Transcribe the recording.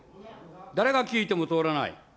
誰が聞いても通らない。